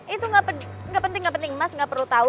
itu gak penting penting mas gak perlu tahu